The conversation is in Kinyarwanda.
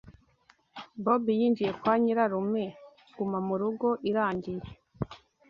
Bob yinjiye kwa nyirarume gumamurugo irangiye